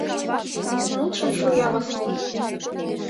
— Мутшым шуя Васлий.